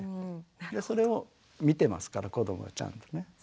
それを見てますから子どもはちゃんとね。